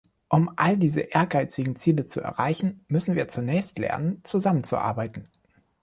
Um all diese ehrgeizigen Ziele zu erreichen, müssen wir zunächst lernen, zusammenzuarbeiten.